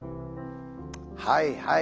はいはい。